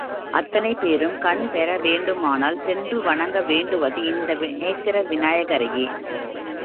அத்தனை பேரும் கண் பெறவேண்டுமானால் சென்று வணங்க வேண்டுவது இந்த நேத்திர விநாயகரையே.